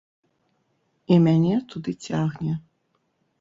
І мяне туды цягне.